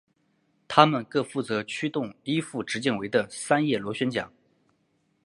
它们各负责驱动一副直径为的三叶螺旋桨。